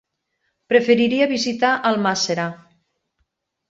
Preferiria visitar Almàssera.